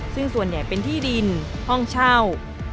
ซึ่งส่วนใหญ่เป็นที่ดินห้องเช่า